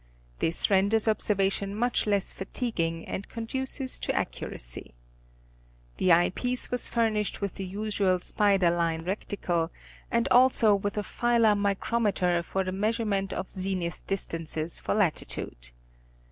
This renders observation much less fatiguing and conduces to accuracy. The eye piece was furnished with the usual spider line reticle and also with a filar micrometer for the measurement of zenith distances for latitude.